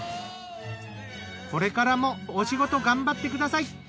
これからもお仕事頑張ってください。